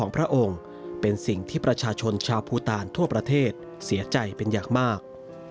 พระองค์เป็นสิ่งที่ประชาชนชาวภูตาลทั่วประเทศเสียใจเป็นอย่างมาก